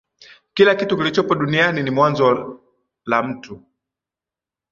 kila kitu kilichopo duniani ni mwanzo la mtu